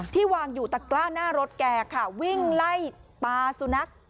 วางอยู่ตะกล้าหน้ารถแกค่ะวิ่งไล่ปลาสุนัข